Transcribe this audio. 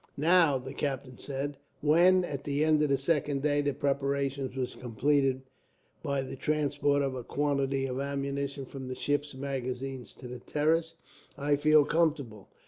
"Now," the captain said when, at the end of the second day, the preparations were completed by the transport of a quantity of ammunition from the ship's magazine to the terrace, "I feel comfortable.